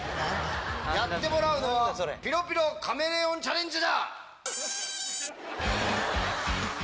やってもらうのはピロピロカメレオンチャレンジ！